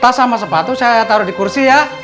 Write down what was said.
tas sama sepatu saya taruh di kursi ya